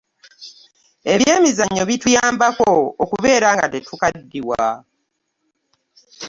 eby'emizannyo bituyambako okubeera nga tetukadiwa